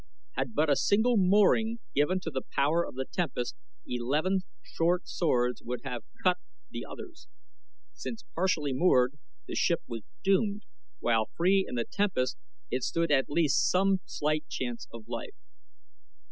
Had but a single mooring given to the power of the tempest eleven short swords would have cut the others; since, partially moored, the ship was doomed, while free in the tempest it stood at least some slight chance for life.